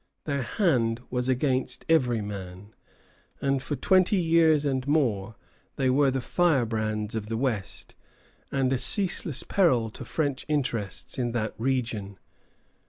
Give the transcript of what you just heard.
Their hand was against every man, and for twenty years and more they were the firebrands of the West, and a ceaseless peril to French interests in that region.